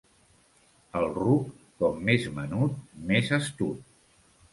El ruc com més menut més astut.